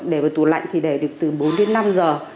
để vào tủ lạnh thì để được từ bốn đến năm giờ